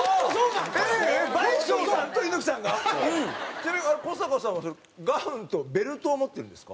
ちなみに古坂さんはそれガウンとベルトを持ってるんですか？